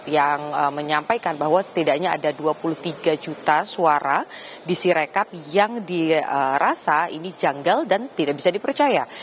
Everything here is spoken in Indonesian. yang menyampaikan bahwa setidaknya ada dua puluh tiga juta suara di sirekap yang dirasa ini janggal dan tidak bisa dipercaya